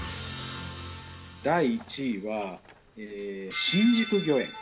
第１位は、新宿御苑。